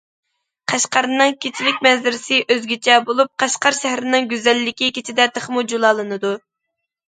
قەشقەرنىڭ كېچىلىك مەنزىرىسى ئۆزگىچە بولۇپ، قەشقەر شەھىرىنىڭ گۈزەللىكى كېچىدە تېخىمۇ جۇلالىنىدۇ.